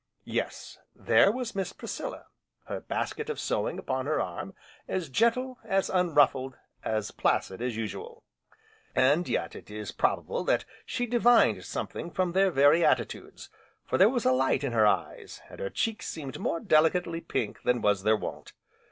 Yes, there was Miss Priscilla, her basket of sewing upon her arm, as gentle, as unruffled, as placid as usual. And yet it is probable that she divined something from their very attitudes, for there was a light in her eyes, and her cheeks seemed more delicately pink than was their wont.